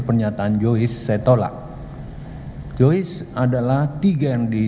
saya sampai detik ini